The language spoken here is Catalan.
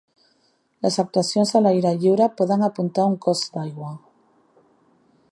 Les actuacions a l'aire lliure poden apuntar a un cos d'aigua.